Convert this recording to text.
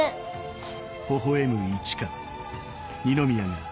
フフ。